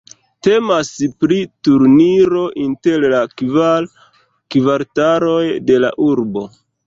Temas pri turniro inter la kvar kvartaloj de la urbo.